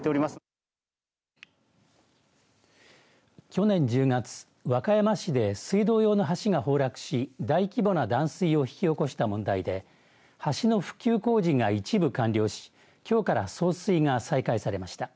去年１０月和歌山市で水道用の橋が崩落し大規模な断水を引き起こした問題で、橋の復旧工事が一部完了し、きょうから送水が再開されました。